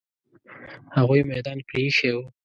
هغوی میدان پرې ایښی وو.